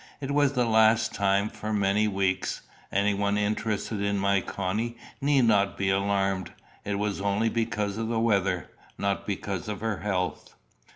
It was the last time for many weeks. Anyone interested in my Connie need not be alarmed: it was only because of the weather, not because of her health.